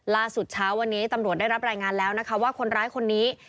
เช้าวันนี้ตำรวจได้รับรายงานแล้วนะคะว่าคนร้ายคนนี้